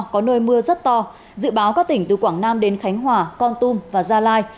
có nơi mưa rất to dự báo các tỉnh từ quảng nam đến khánh hòa con tum và gia lai